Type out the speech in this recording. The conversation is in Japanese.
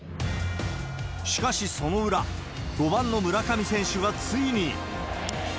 しかし、その裏、５番の村上選手がついに。